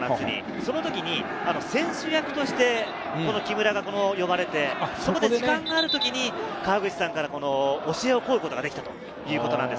その時、選手役として木村が呼ばれて、そこで時間がある時に川口さんから、教えを乞うことができたということです。